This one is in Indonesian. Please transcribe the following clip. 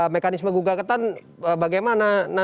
mekanisme gugaketan bagaimana